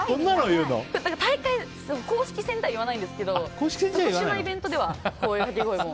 大抵公式戦では言わないんですけど特殊なイベントではこういう掛け声も。